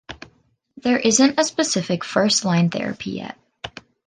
There isn’t a specific first-line therapy yet.